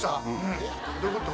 えっどういうこと？